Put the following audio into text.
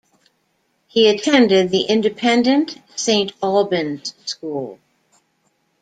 He attended the independent Saint Albans School.